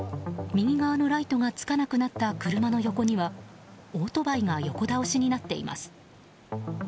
右側のライトがつかなくなった車の横にはオートバイが横倒しになっています。